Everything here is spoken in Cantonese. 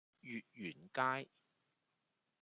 月園街